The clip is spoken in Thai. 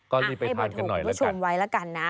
ก็รีบไปทานกันหน่อยละกันให้เบอร์โทรของคุณผู้ชมไว้ละกันนะ